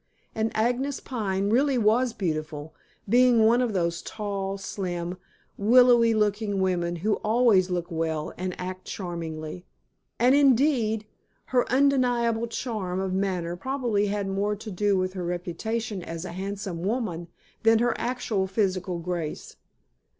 And Agnes Pine really was beautiful, being one of those tall, slim willowy looking women who always look well and act charmingly. And, indeed, her undeniable charm of manner probably had more to do with her reputation as a handsome woman than her actual physical grace.